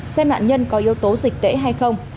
xem nạn nhân có yếu tố dịch tễ hay không